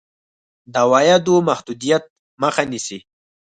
د عوایدو د محدودېدو مخه نیسي.